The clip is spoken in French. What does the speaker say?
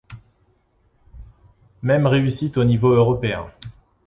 Même réussite au niveau européen.